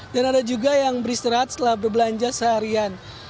dan ada juga yang beristirahat setelah berbelanja seharian